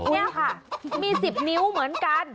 นี่ค่ะมี๑๐นิ้วเหมือนกัน